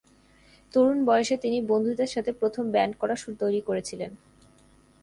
তরুণ বয়সে তিনি বন্ধুদের সাথে প্রথম ব্যান্ড তৈরি করেছিলেন।